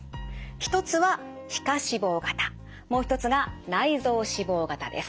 一つは皮下脂肪型もう一つが内臓脂肪型です。